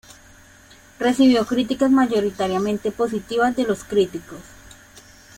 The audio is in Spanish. Recibió críticas mayoritariamente positivas de los críticos.